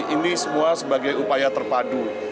ini semua sebagai upaya terpadu